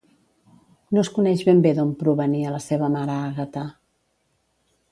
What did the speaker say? No es coneix ben bé d'on provenia la seva mare Àgata.